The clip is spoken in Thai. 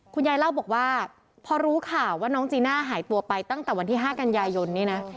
คุณยายเล่าบอกว่าพอรู้ข่าวว่าน้องจีน่าหายตัวไปตั้งแต่วันที่๕กันยายนนี้นะ